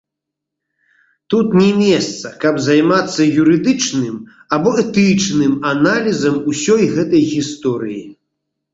Тут не месца, каб займацца юрыдычным або этычным аналізам усёй гэтай гісторыі.